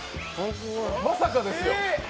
まさかですよ。